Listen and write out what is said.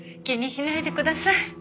気にしないでください。